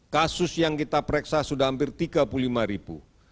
kasus yang kita pereksa sudah hampir tiga puluh lima ribu